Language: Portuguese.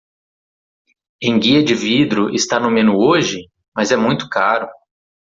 Enguia de vidro está no menu hoje?, mas é muito caro.